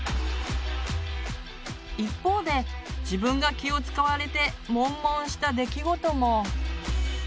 一方で自分が気を遣われてモンモンした出来事も。